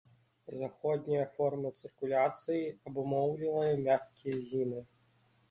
Заходняя форма цыркуляцыі абумоўлівае мяккія зімы.